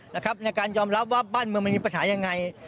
ในการยอมรับว่าบั้นเครื่องมือมันมีปัญหาอย่างไร